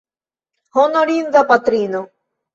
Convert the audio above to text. Honorinda patrino!